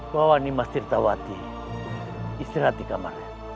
bawa nimas tirtawati istirahat di kamarnya